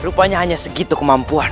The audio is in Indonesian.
rupanya hanya segitu kemampuan